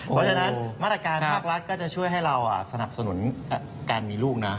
เพราะฉะนั้นมาตรการภาครัฐก็จะช่วยให้เราสนับสนุนการมีลูกนะ